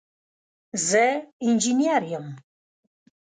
زه انجينر يم.